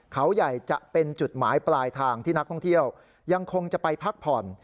เขาใหญ่จะเป็นจุดหมายปลายทางที่นักท่องเที่ยวยังคงจะไปพักผ่อน